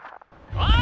おい！